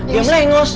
diam lah ingus